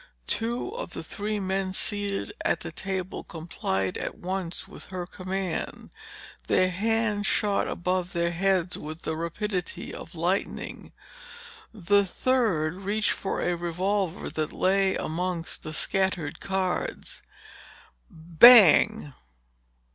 Two of the three men seated at the table complied at once with her command. Their hands shot above their heads with the rapidity of lightning. The third reached for a revolver that lay amongst the scattered cards. "_Bang!